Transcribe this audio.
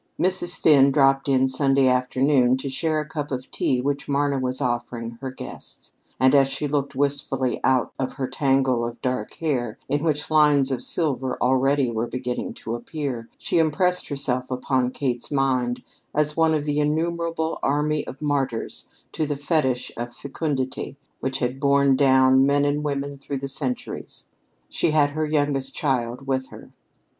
Mrs. Finn dropped in Sunday afternoon to share the cup of tea which Marna was offering her guests, and as she looked wistfully out of her tangle of dark hair, in which lines of silver already were beginning to appear, she impressed herself upon Kate's mind as one of the innumerable army of martyrs to the fetish of fecundity which had borne down men and women through the centuries. She had her youngest child with her.